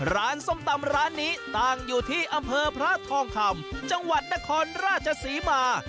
ส้มตำร้านนี้ตั้งอยู่ที่อำเภอพระทองคำจังหวัดนครราชศรีมา